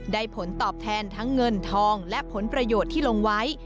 ผลตอบแทนทั้งเงินทองและผลประโยชน์ที่ลงไว้